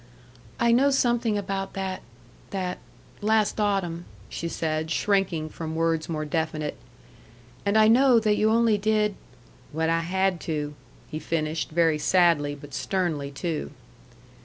"I know something about that that last autumn," she said, shrinking from words more definite. "And I know that you only did " "What I had to," he finished, very sadly, but sternly, too.